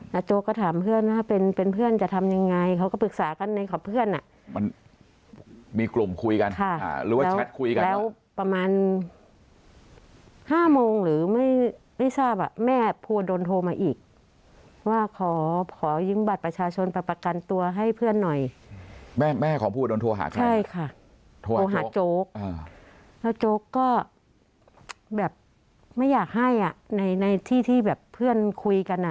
แล้วโจ๊กก็ถามเพื่อนว่าเป็นเพื่อนจะทำยังไงเขาก็ปรึกษากันขอเพื่อนอะมันมีกลุ่มคุยกันค่ะหรือว่าแชทคุยกันแล้วประมาณ๕โมงหรือไม่ทราบอะแม่ภูวดลโทรมาอีกว่าขอยืมบัตรประชาชนประกันตัวให้เพื่อนหน่อยแม่ของภูวดลโทรหาใครใช่ค่ะโทรหาโจ๊กโทรหาโจ๊กแล้วโจ